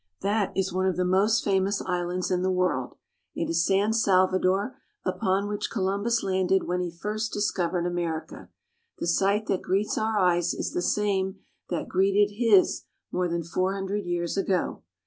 That is one of the most famous islands in the world. It is San Salvador, upon which Columbus landed when he first discovered America. The sight that greets our eyes is the same that greeted his more than four hundred years ago.